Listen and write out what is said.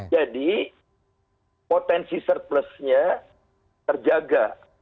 jadi potensi surplusnya terjaga